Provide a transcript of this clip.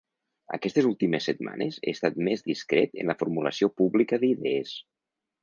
Aquestes últimes setmanes he estat més discret en la formulació pública d’idees.